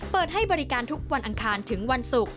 เปิดให้บริการทุกวันอังคารถึงวันศุกร์